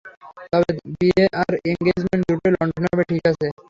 তবে বিয়ে আর এনগেজমেন্ট, দুটোই লন্ডনে হবে, ঠিক আছে।